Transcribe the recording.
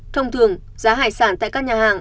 thông thường giá hải sản tại các nhà hàng